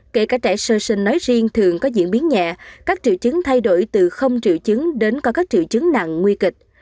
kể cả trẻ sơ sinh nói riêng thường có diễn biến nhẹ các triệu chứng thay đổi từ không triệu chứng đến có các triệu chứng nặng nguy kịch